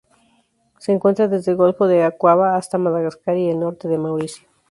Se encuentra desde el Golfo de Aqaba hasta Madagascar y el norte de Mauricio.